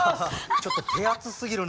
ちょっと手厚すぎるな。